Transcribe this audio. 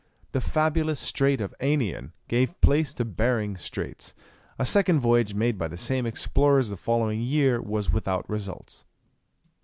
The fabulous strait of Anian gave place to Behring Straits. A second voyage made by the same explorers the following year was without results.